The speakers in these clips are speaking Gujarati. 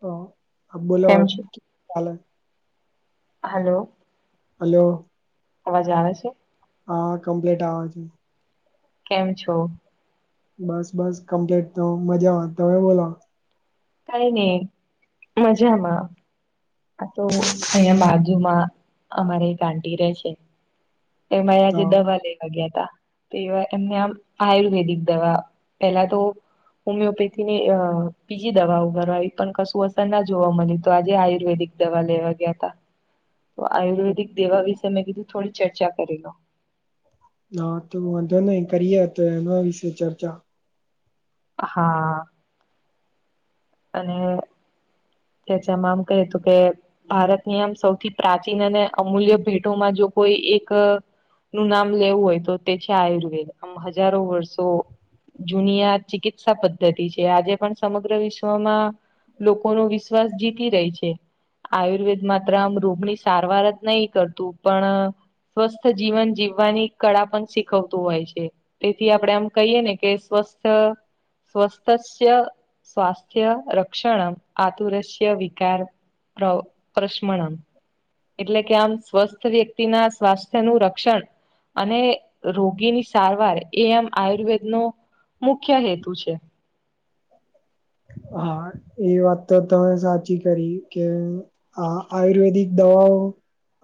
હ આપ બોલો કેમ હલ્લો. હલ્લો. હલ્લો. અવાજ આવે છે. હા કમ્પ્લીટ આવે છે. કેમ છો? બસ બસ કમ્પ્લીટ તો મજામાં તમે બોલો. કઈ નહી મજામાં. આ તો અહીયાં બાજુમાં અમારે આટી રહે છે. એમાં હ આજે દવા લઈ તો એવા એમને આ આયુર્વેદિક દવા પેલા તો હોમિયોપેથી ની બીજી દવા ઉગર એ પણ કશું અસર ના જોવા મળ્યું તો આજે આયુર્વેદિક દવા લેવા ગયા હતા તો આયુર્વેદિક દેવા વિશે મેં કીધું થોડી ચર્ચા કરી લો હા તો વાંધો નઈ કરીએ તો એના વિશે ચર્ચા હા. અને તેચમાંમ કહ્યું તું કે ભારતની આમ સૌથી પ્રાચીન અને અમૂલ્ય ભેટોમાં જો કોઈ એક અ નું નામ લેવું હોય તો તે છે આયુર્વેદ આમ હજારો વર્ષો જુનિયા ચિકિત્સા પદ્ધતિ છે આજે પણ સમગ્ર વિશ્વ લોકો નો વિશ્વાસ જીતી રહી છે આયુર્વેદ માત્ર આમ રોગની સારવાર જ નહીં કરતું પણ સ્વસ્થ જીવન જીવવાની કળા પણ શીખવતું હોય છે તેથી આપણેે આમ કહીય ને કે સ્વસ્થ સ્વસ્થ સ્વાસ્થ થ રક્ષણમ આતુરશ વિકાર પ્ર પ્રશ્મણં એટલે કે આમ સ્વસ્થ વ્યક્તિ ના સ્વાસ્થ્ય નું રક્ષણ અને રોગીની સારવાર એ આમ આયુર્વેદ નો મુખ્ય હેતુ છે હા એ વાત તો તમે સાચી કરી કે હ આયુર્વેદિક દવાઓ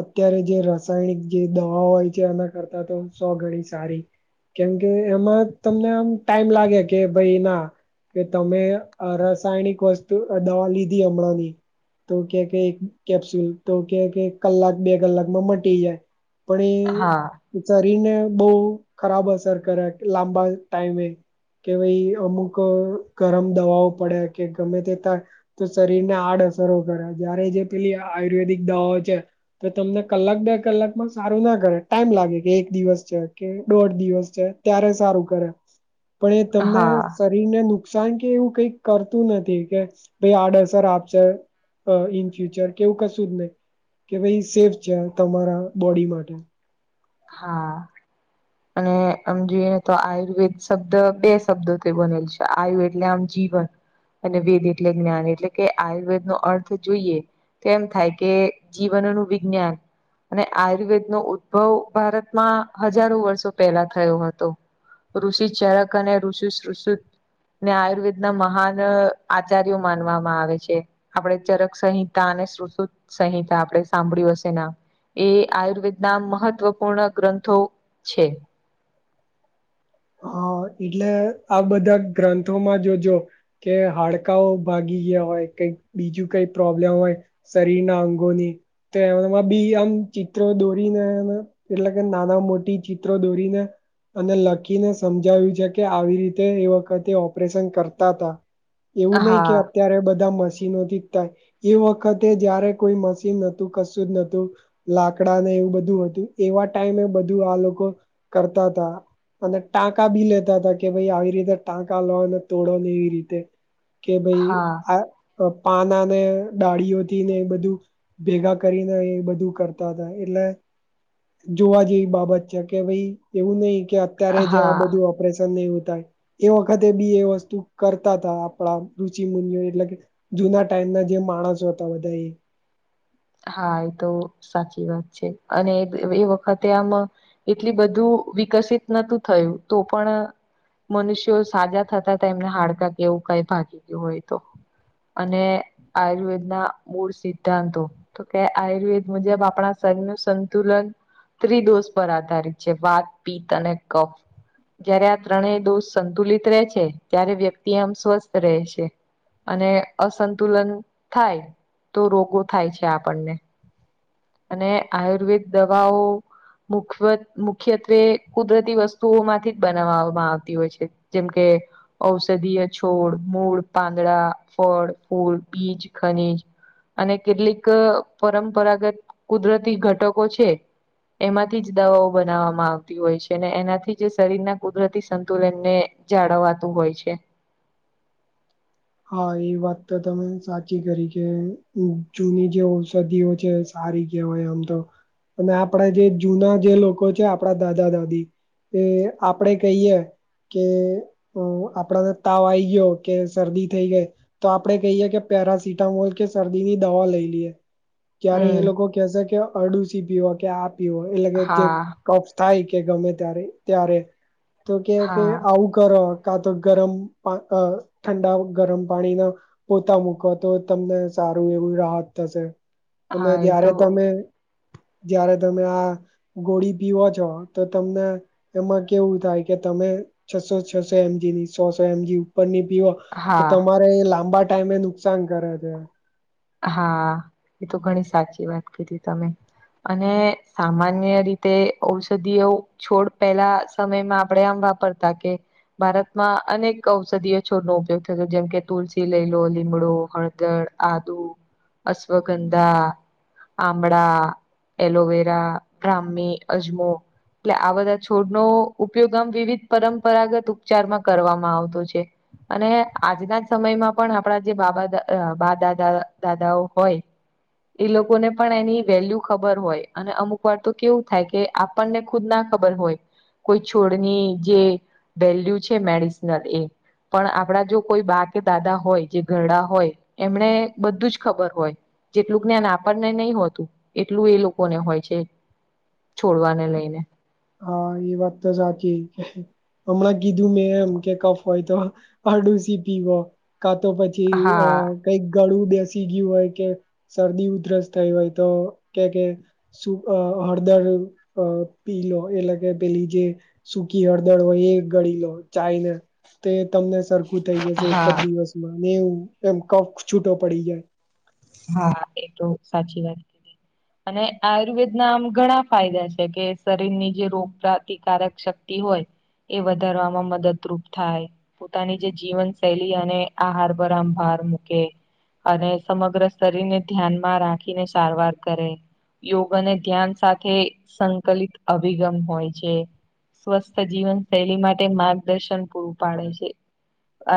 અત્યારે જે રાસાયણિક જે દવાઓ હોય છે એના કરતા તો સો ગણી સારી કેમ કે એમાં તમને આમ ટાઈમ લાગે કે ભાઈ ના કે તમે અ રાસાયણિક વસ્તુ દવા લીધી હમણાં ની તો કે કે એક કેપ્સ્યુલ તો કે કે કલાક બે કલાકમાં મટી જાય પણ હા એ શરીર ને બહુ ખરાબ અસર કરે લાંબા ટાઈમે કે ભાઈ અમુક ગરમ દવાઓ પડે કે ગમે તે ત તો શરીરને આડઅસરો કરે જયારે જે પેલી આયુર્વેદિક દવાઓ છે તો તમને કલાક બે કલાકમાં સારું ના કરે ટાઈમ લાગે કે એક દિવસ છે કે દોઢ દિવસ છે ત્યારે સારું કરે પણ એ તમને હા શરીરને નુકસાન કે એવું કઈક કરતું નથી કે ભાઈ આડઅસર આપશે ઇન ફ્યુચર કેવું કશું જ નહીિ કે ભાઈ સેફ છે તમારા બોડી માટે હા અને આમ જોઈએ તો આયુર્વેદ શબ્દ બે શબ્દો તે બનેલ છે આવ્યું એટલે આમ જીવન અને વેદ એટલે જ્ઞાન એટલે કે આયુર્વેદ નો અર્થ જોઈએ તો એમ થાય કે જીવનનું વિજ્ઞાન અને આયુર્વેદ નો ઉદભવ ભારતમાં હજારો વર્ષો પેલા થયો હતો ઋષિ ચરક અને ઋષિષ ને આયુર્વેદ ના મહાન આચાર્યો માનવામાં આવે છે આપણે ચરક સંહિતા અને શુશત સંહિતા આપણે સાંભળ્યું હશે ના એ આયુર્વેદના મહત્વપૂર્ણ ગ્રંથો છે હા એટલે આ બધા ગ્રંથોમાં જોજો કે હાડકાઓ ભાગી ગયા હોય કઈક બીજું કઈ પ્રોબ્લેમ હોય શરીર ના અંગોની તો એમાં બી આમ ચિત્રો દોરીને એટલે કે નાના મોટી ચિત્રો દોરીને અને લખ બાકીને સમજાવ્યું છે કે આવી રીતે એ વખતે ઓપરેશન કરતા હતા એવું નહી કે હા ત્યારે બધા મશીનોથી થાય એ વખતે જયારે કોઈ મશીનતું કશું જ નતું લાકડા ને એવું બધું હતું એવા ટાઈમે એ બધું આ લોકો કરતા હતા અને ટાંકા બી લેતા હતા કે ભાઈ આવી રીતે ટાંકા લોને તોડો ને એવી રીતે કે ભાઈ હા આ પાના ને ડાળીઓથી એ બધું ભેગા કરીને એ બધું કરતા હતા એટલે. જોવા જેવી બાબત છે કે ભાઈ એવું નઈ કે અત્યારે જે આ હા બધું ન નહી થાય એ વખતે બી એ વસ્તુ કરતા ત આપણા રુચિ મુનિઓ એટલે કે. જુના ટાઈમ ના જે માણસો હતા બધા એ હા એ તો સાચી વાત છે અને એ વખતે આમ એટલી બધું વિકસિત નતું થયું તો પણ મનુષ્યો સાજા થતા હતા એમને હાડકાં કે એવું કઈ ભાગી ગયું હોય તો અને આયુર્વેદ ના મૂળ સિદ્ધાંતો તો કે આયુર્વેદ મુજબ આપણા શરીર નું સંતુલન ત્રિદોષ પર આધારિત છે વાત પિતત અને કફ. જયારે આ ત્રણેય દોષ સંતુલિત રહે છે ત્યારે વ્યક્તિ આમ સ્વસ્થ રહે છે. અને અસંતુલન થાય તો રોગો થાય છે આપણને. અને આયુર્વેદ દવાઓ. મુખ મુખ્યત્વે કુદરતી વસ્તુઓ માંથી જ બનાવામાં આવતી હોય છે. જેમ કે. ઔષધીય છોડ મૂળ પાંદડા ફળ ફૂલ બીજ ખનીજ. અને કેટલીક પરંપરાગત કુદરતી ઘટકો છે. એમાંથી જ દવાઓ બનાવવામાં આવતી હોય છે અનેને એનાથી જ શરીરના કુદરતી સંતુલનને જાળવવાતું હોય છે. હા એ વાત તો તમે સાચી કરી કે જૂની જે ઔષધિઓ છે. સારી કેહેવાય આમ તો અને આપડા જે જૂના જે લોકો છે આપડા દાદા દાદી એ આપડે કહીયએ. કે આપડાને તાવ આ આવી ગયો કે શરદી થઈ ગાય તો આપડે કહીએ કે પેરાસિટામોલ કે શરદી ની દવા લઈ લઈએ. ત્યારે એ હમ લોકો કેસે કે અડુસી પીવા કે આ પીવો એટલે કે જે હા ટફ થાય કે ગમે ત્યારે ત્યારે તો કે કે હા આવું કરો અ. કા તો ગરમ ઠંડા ગરમ પાણી ના પોતા મૂકવા તો તમને સારું એવું રાહત થશે. અને હા એ જય્યારે તો તમે જ્યારે તમે આ ગોળી પીવો છો તો તમને એમાં કેવું થાય કે તમે છસો છસો એમજી ની સો સો એમજી ઉપર ની પીવા તો હા તમારે લાંબા ટાઈમે નુકસાન કરે છે. હા એ તો ઘણી સાચી વાત કીધી તમે અને સામાન્ય રીતે ઔષધિઓ છોડ પેલા સમયમાં આપણેે આમ વાપરતા કે ભારતમાં અનેક ઔષધિય છોડનોો ઉપયોગ થયો જેમકે તુલસી લઈ લો લીમડો હળદર આ દુ અશ્વગંધા. આંબળા એલોવેરા બ્રાહ્મી અજમો એટલે આ બધા છોડ નો ઉપયોગ આમ વિવિધ પરંપરાગત ઉપચારમાં કરવામાં આવતો છે. અને આજના જ સમયમાં પણ આપણા જે બાબા બાદાદ દાદાઓ હોય. એ લોકોને પણ એની વેલ્યુ ખબર હોય અને અમુક વાર તો કેવું થાય કે આપણને ખુદ ના ખબર હોય. કોઈ છોડની જે વેલ્યુ છે મેડિસનલ એ પણ આપડા જો કોઈ બા કે દાદા હોય જે ઘરડા હોય એમણે બધું જ ખબર હોય જેટલું જ્ઞાન આપણને નહી હોતું એટલું એ લોકોને હોય છે છોડવાને લઈને. હા એ વાત તો સાકી કે. હમણાં કીધું મેં એમ કે કફ હોય તો આડુસી પીવો. કા તો પછી અ હા કઈક ગળું બેસી ગયું હોય કે શરદી ઉધરસ થઈ હોય તો કે કે સુકા હળદર અ પી લો એટલે કે પેલી જે સૂકી હળદર હોય એ ગળી લો ચાયને. તે તમને સરખું થઈ જશે એક જ હા દિવસમાં ને એવ એમ કફ છૂટો પડી જાય. હા એ તો સાચી વાત. કીધી. અને આયુર્વેદના આમ ઘણા ફાયદા છે કે શરીરની જે રોગ પ્ર્રતિકારક શક્તિ. હોય એ વધારવામાં મદદરૂપ થાય. પોતાની જે જીવન શૈલી અને આહાર પરર આમ ભાર મૂકે અને સમગ્ર. શરીર ને ધ્યાનમાં રાખીને સારવાર કરે. યોગ અને ધ્યાન સાથે સંકલિત અભિગમ હોય છે. સ્વસ્થ જીવન શૈલી માટે માર્ગદર્શન પૂરું પાડે છે.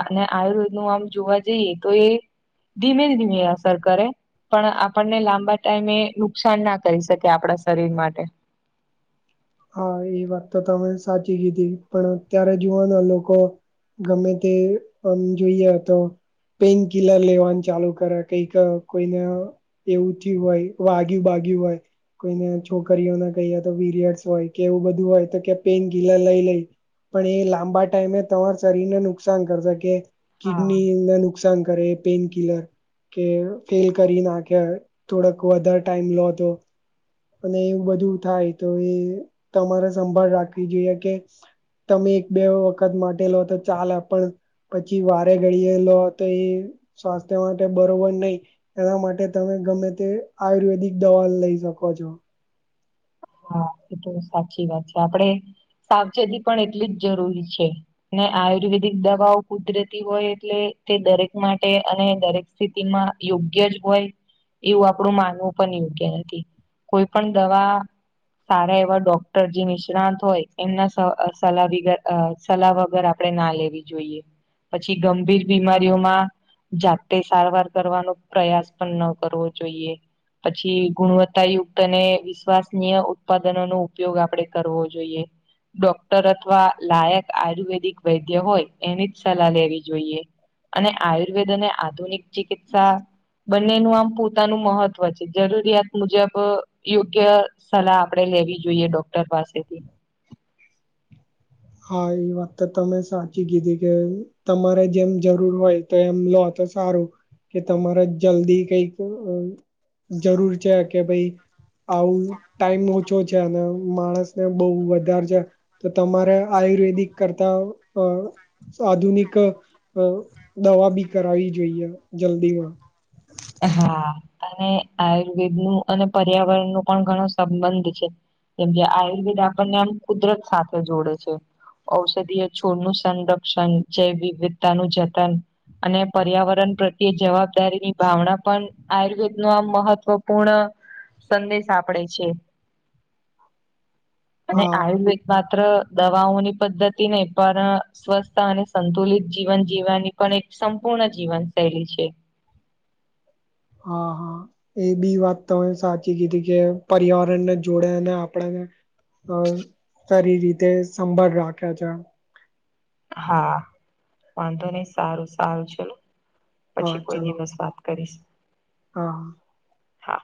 અને આયુર્વેદ નું આમ જોવા જઈએ તો એ ધીમે ધીમે કરે પણ આપણને લાંબા ટાઈમે નુકસાન ના કરી શકે આપણા શરીર માટે. હા એ વાત તો તમે સાચી કીધી પણ અત્યારે જુવાના લોકો ગમે તે આમ જોઈએ તો પેઇન કિલર લેવા ચાલુ કરે કઈક કોઈને એવું થયું હોય વાગ્યું બાગ્યું હોય કોઈને છોકરીઓને કહી તો વિરિયડ હોય કે એવું બધું હોય તો કે પેન કિલર લઈ લઈ. પણ એ લાંબા ટાઈમે તમાર શરીરને નુકસાન કરશે કે હા કિડનીને નુકસાન કરે પેઇન કિલર. કે ફેલ કરી નાખે થોડક વધારે ટાઈમ લો તો. અને એવુ બધું થાય તો એ તમારે સંભાળ રાખવી જોઈએ કે તમે એક બે વખત માટેલો તો ચાલે પણ પછી વારે ઘડીએ લો તો એ સ્વાસ્થ્ય માટે બરોબર નહી. એના માટે તમે ગમે તે આયુર્વેદિક દવા લઈ શકો છો. હા એ તો સાચી વાત છે આપડે સાવચેતી પણ એટલી જ જરૂરી છે. ને આયુર્વેદિક દવાઓ કુદરતી હોય એટલે તે દરેક માટે અને દરેક સ્થિતિમાં યોગ્ય જ હોય. એવું આપડું માનવું પણ યોગ્ય નથી. કોઈ પણ દવા સારા એવા ડોક્ટર જે નિષ્ણાત હોય એમના અ સલાહ અ બીગ સલાહ વગર આપણે ના લેવી જોઈએ. પછી ગંભીર બીમારીઓમાં જાતે સારવાર કરવાનો પ્રયાસ પણ ન કરવો જોઈએ. પછી ગુણવત્તાયુક્ત અને વિશ્વાસનીય ઉત્પાદનો નો ઉપયોગ આપડે કરવો જોઈએ. ડોક્ટર અથવા લાયક આયુર્વેદિક વૈદ્ય હોય એની જ સલાહ લેવી જોઈએ. અને આયુર્વેદ અને આધુનિક ચિકિત્સા બંનેનું આમ પોતાનું મહત્વ છે જરૂરિયાત મુજબ યોગ્ય સલાહ આપડે લેવી જોઈએ ડોક્ટર પાસેથી. હા એ વાત તો તમે સાચી કીધી કે તમારે જેમ જરૂર હોય તો એમ લો તો સારું. કે તમારે જલ્દી કઈક જરૂર છે કે ભાઈ આવું ટાઈમ ઓછો છે અને માણસને બહુ વધારે છે તો તમારે આયુર્વેદિક કરતા અ આધુનિક અ દવા બી કરાવી જોઈએ જલ્દીમાં. હા. અને આયુર્વેદ નું અને પર્યાવરણ નું પણ ઘણો સંબંધ છે. કેમકે આયુર્વેદ આપણને આમ કુદરત સાથે જોડે છે. ઔષધીય છોડનું સંરક્ષણ જૈવવવિધતાનું જતન અને પર્યાવરણ પ્રત્યે જવાબદારી ભાવના પણ આયુર્વેદનું આમ મહત્વપૂર્ણ સંદેશ આપડે છે અને હા આયુર્વેદ માત્ર દવાઓની પદ્ધતિ નહ પણ સ્વસ્થ અને સંતુલિત જીવન જીવવાની પણ એક સંપૂર્ણ જીવન શૈલી છે. હા, હા. એ બી વાત તો સાચી કીધી કે પર્યાવરણને જોડે અને આપડે અ સારી રીતે સંભાળ રાખે છે. હા, વાંધો નહી સારું સારું ચલું હા પછી કોઈ ચલો દિવસ વાત કરીશ. હા. હા